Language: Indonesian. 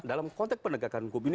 dalam konteks penegakan hukum ini